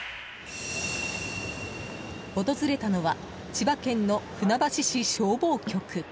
訪れたのは千葉県の船橋市消防局。